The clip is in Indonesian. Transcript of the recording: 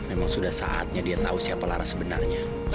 memang sudah saatnya dia tahu siapa lara sebenarnya